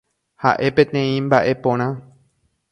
Ha'e peteĩ mba'eporã.